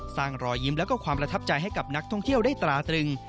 รอยยิ้มและความประทับใจให้กับนักท่องเที่ยวได้ตราตรึง